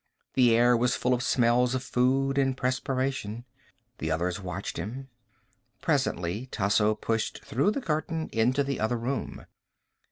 The air was full of smells of food and perspiration. The others watched him. Presently Tasso pushed through the curtain, into the other room.